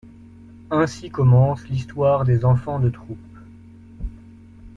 Ainsi commence l'histoire des Enfants de troupe.